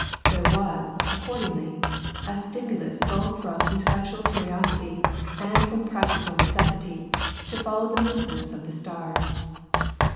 There was, accordingly, a stimulus both from intellectual curiosity and from practical necessity to follow the movements of the stars.